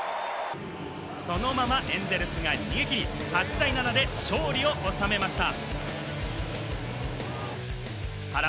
そのままエンゼルスが逃げ切り、８対７で勝利を収めました。